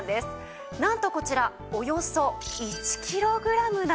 なんとこちらおよそ１キログラムなんです。